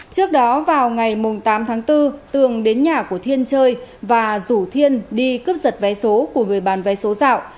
trước đó vào ngày tám tháng bốn tường đến nhà của thiên chơi và rủ thiên đi cướp giật vé số của người bán vé số dạo